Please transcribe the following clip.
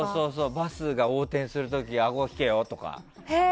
バスが横転する時あご、引けよとか。